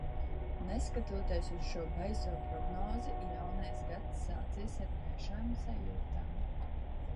Neskatoties uz šo baiso prognozi, jaunais gads sācies ar gaišām sajūtām.